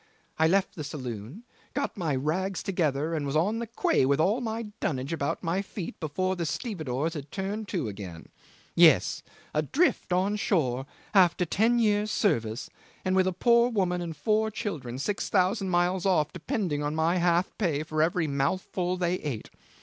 I left the saloon, got my rags together, and was on the quay with all my dunnage about my feet before the stevedores had turned to again. Yes. Adrift on shore after ten years' service and with a poor woman and four children six thousand miles off depending on my half pay for every mouthful they ate.